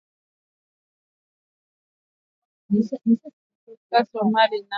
ambao walikuwa wametumwa Somalia kufanya kazi na wanajeshi wa Somalia na